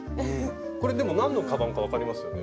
これでも何のカバンか分かりますよね？